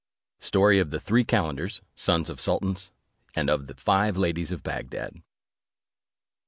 STORY OF THE THREE CALENDERS, SONS OF SULTANS; AND OF THE FIVE LADIES OF BAGDAD.